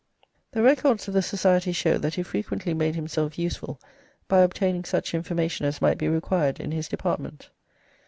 The records of the society show that he frequently made himself useful by obtaining such information as might be required in his department.